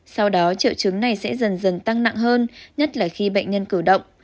sau đó triệu chứng này sẽ dần dần tăng nặng hơn nhất là khi bệnh nhân cử động